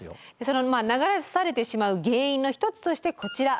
その流されてしまう原因の一つとしてこちら。